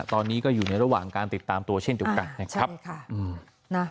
ตอนนี้ก็อยู่ในระหว่างการติดตามตัวเช่นเดียวกันนะครับใช่ค่ะอืมนะ